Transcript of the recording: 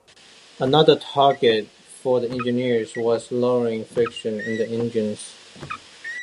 Another target for the engineers was lowering friction in the engines.